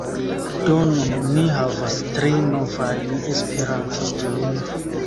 Do nun ni havas tri novajn esperantistojn.